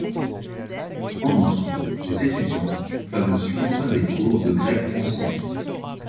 En outre, les étudiants peuvent suivre des cours de grec ancien.